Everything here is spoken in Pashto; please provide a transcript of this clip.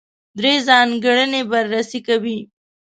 درې ځانګړنې بررسي کوي.